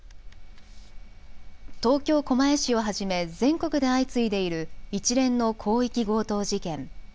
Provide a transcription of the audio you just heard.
東京狛江市をはじめ全国で相次いでいる一連の広域強盗事件。